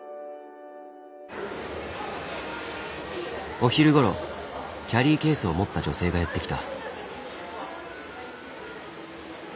お昼ごろキャリーケースを持った女性がやって来た。